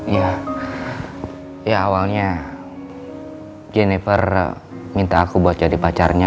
ya awalnya jennifer minta aku buat jadi pacarnya